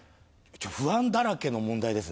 不安だらけの問題ですね。